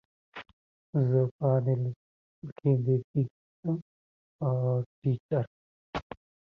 She has a medallion just like the one Esteban carries.